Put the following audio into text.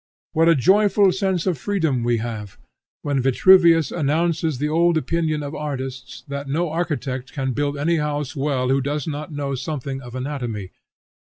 What a joyful sense of freedom we have when Vitruvius announces the old opinion of artists that no architect can build any house well who does not know something of anatomy.